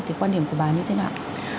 thì quan điểm của bà như thế nào